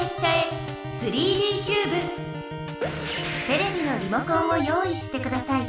テレビのリモコンを用意してください。